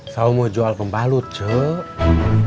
saya mau jual kembalut cuy